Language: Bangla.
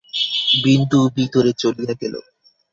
বিন্দু ভিতরে চলিয়া গেল।